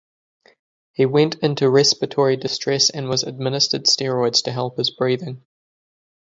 He went into respiratory distress and was administered steroids to help his breathing.